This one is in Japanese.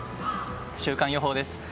週間予報です。